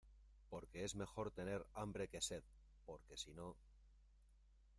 porque es mejor tener hambre que sed, porque sino